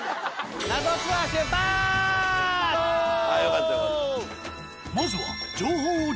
ああよかったよかった。